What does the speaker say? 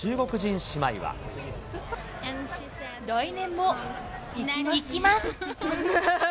来年も行きます。